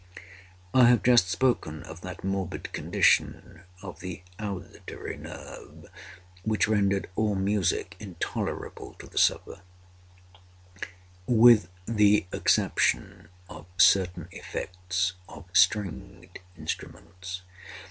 I have just spoken of that morbid condition of the auditory nerve which rendered all music intolerable to the sufferer, with the exception of certain effects of stringed instruments.